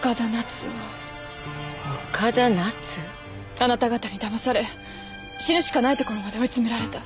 あなた方にだまされ死ぬしかないところまで追い詰められた。